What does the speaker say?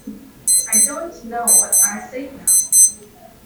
I don't know what I said now.